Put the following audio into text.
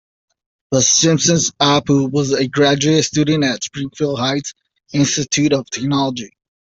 "The Simpsons"' Apu was a graduate student at "Springfield Heights Institute of Technology".